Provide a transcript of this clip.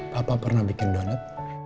papa pernah bikin donat